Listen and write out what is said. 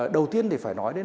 đầu tiên thì phải nói đến